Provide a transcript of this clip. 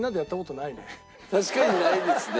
確かにないですね。